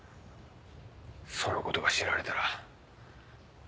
そのことが知られたら。